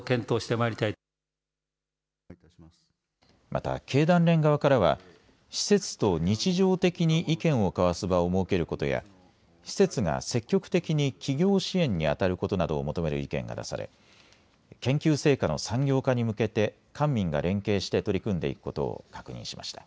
また経団連側からは施設と日常的に意見を交わす場を設けることや施設が積極的に起業支援にあたることなどを求める意見が出され研究成果の産業化に向けて官民が連携して取り組んでいくことを確認しました。